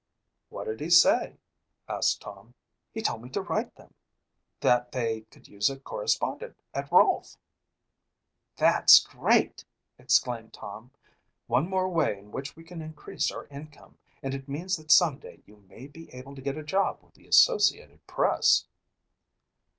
"What did he say?" asked Tom. "He told me to write them; that they could use a correspondent at Rolfe." "That's great," exclaimed Tom. "One more way in which we can increase our income and it means that some day you may be able to get a job with the Associated Press."